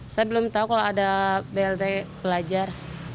saya belum tahu kalau ada blt pelajar